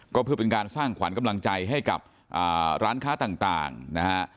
ก็เพื่อเป็นการสร้างขวัญกำลังใจให้กับร้านค้าต่างนะฮะ